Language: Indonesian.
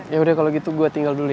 yaudah kalau gitu gue tinggal dulu ya